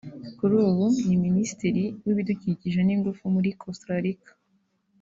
kuri ubu ni Minisitiri w’ibidukikije n’ingufu muri Costa Rica